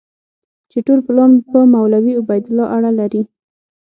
چې ټول پلان په مولوي عبیدالله اړه لري.